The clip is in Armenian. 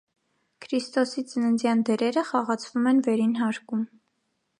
Քրիստոսի ծննդյան դերերը խաղացվում են վերին հարկում։